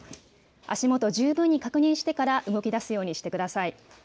足元、十分に確認してから動きだすようにしてください。